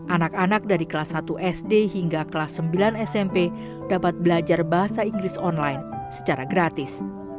anak anak dari kelas satu sd hingga kelas sembilan smp dapat belajar bahasa inggris online secara gratis